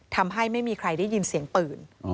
ทำให้ไม่มีใครได้ยินเสียงปืน